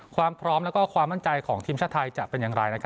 ความพร้อมและความมั่นใจของทีมชาติไทยจะเป็นอย่างไร